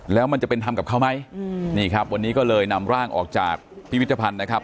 แล้วมันจะเป็นธรรมกับเขาไหมอืมนี่ครับวันนี้ก็เลยนำร่างออกจากพิพิธภัณฑ์นะครับ